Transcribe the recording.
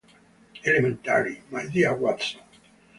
Elementary, my dear Watson.